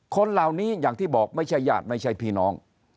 คนเหล่านี้อย่างที่บอกไม่ใช่ญาติไม่ใช่พี่น้อง